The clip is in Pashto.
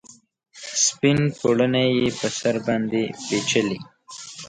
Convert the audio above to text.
سپین پوړنې یې پر سر باندې پیچلي